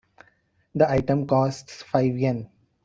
The item costs five Yen.